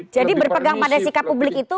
jadi berpegang pada sikap publik itu